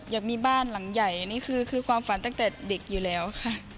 อยากมีบ้านหลังใหญ่นี่คือความฝันตั้งแต่เด็กอยู่แล้วค่ะ